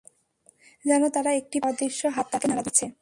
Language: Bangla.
যেন তারা একটি পাহাড়, অদৃশ্য হাত তাকে নাড়া দিচ্ছে।